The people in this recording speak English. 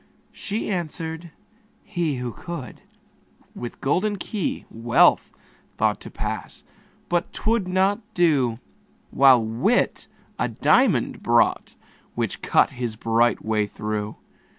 She answered, "he, who could." With golden key Wealth thought To pass but 'twould not do: While Wit a diamond brought, Which cut his bright way through.